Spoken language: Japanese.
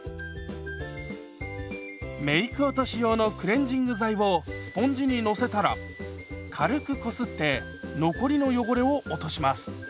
メーク落とし用のクレンジング剤をスポンジにのせたら軽くこすって残りの汚れを落とします。